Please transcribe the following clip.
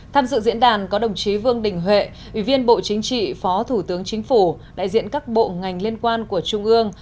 tham dự diễn đàn có đồng chí vương đình huệ ủy viên bộ chính trị phó thủ tướng chính phủ đại diện các bộ ngành liên quan của trung ương